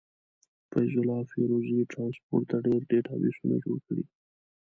فيض الله فيروزي ټرانسپورټ ته ډير ډيټابسونه جوړ کړي.